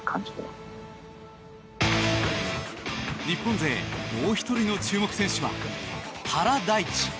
日本勢もう１人の注目選手は原大智。